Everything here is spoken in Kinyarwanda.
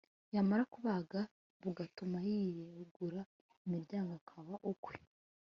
yamara kubaga bugatuma yiyegura imiryango akaba ukwe